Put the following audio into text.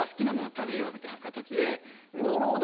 食べようみたいな形でなるほど！